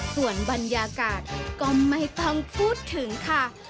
ส่วนบรรยากาศก็ไม่ต้องพูดถึงค่ะ